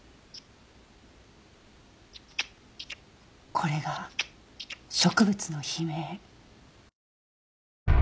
これが植物の悲鳴。